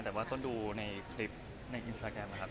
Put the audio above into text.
แต่ว่าต้องดูในคลิปในอินสตราแกรมนะครับ